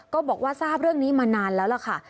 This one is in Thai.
ก็บอกว่าทราบเรื่องนี้มานานแล้วล่ะค่ะ